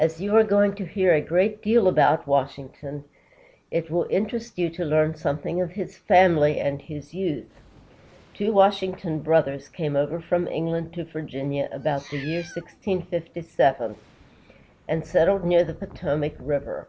As you are going to hear a great deal about Washington, it will interest you to learn something of his family and his youth. Two Washington brothers came over from England to Virginia about the year 1657, and settled near the Potomac River.